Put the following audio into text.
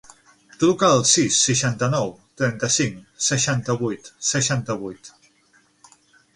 Truca al sis, seixanta-nou, trenta-cinc, seixanta-vuit, seixanta-vuit.